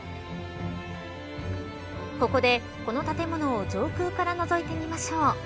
ここで、この建物を上空からのぞいてみましょう。